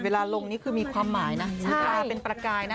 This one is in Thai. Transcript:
เวลาลงนี่คือมีความหมายนะมีความเป็นประกายนะ